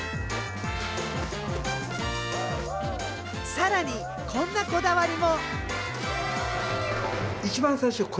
更にこんなこだわりも。